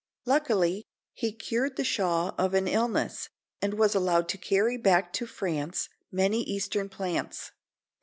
Luckily he cured the Shah of an illness, and was allowed to carry back to France many Eastern plants.